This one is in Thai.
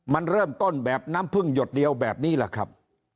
มันเริ่มต้นแบบน้ำพึ่งหยดเดียวแบบนี้แหละครับ